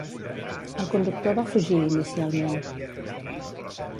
El conductor va fugir inicialment.